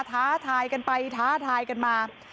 ท้าทายกันไปท้าทายกันมา